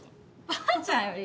ばあちゃんより？